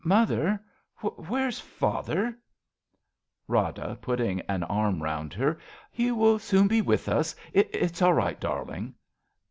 Mother, where's father ? Rada {putting an arm round her). He will soon be with us. It's all right, darling.